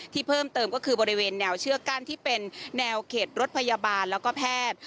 เพิ่มเติมก็คือบริเวณแนวเชือกกั้นที่เป็นแนวเขตรถพยาบาลแล้วก็แพทย์